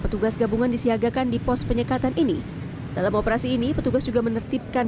petugas gabungan disiagakan di pos penyekatan ini dalam operasi ini petugas juga menertibkan